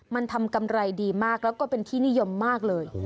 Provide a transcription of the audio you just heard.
มันทำกำไรดีมากแล้วก็เป็นที่นิยมมากเลย